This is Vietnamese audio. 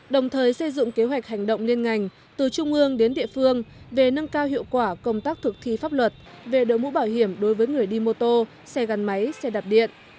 đồng thời xây dựng kế hoạch hành động liên ngành từ trung ương đến địa phương về nâng cao hiệu quả công tác thực thi pháp luật về đội mũ bảo hiểm đối với người đi mô tô xe gắn máy xe đạp điện